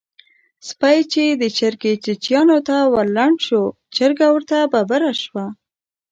سپی چې د چرګې چیچيانو ته ورلنډ شو؛ چرګه ورته ببره شوه.